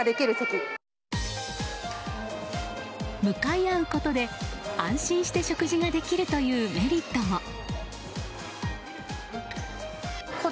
向かい合うことで安心して食事ができるというメリットも。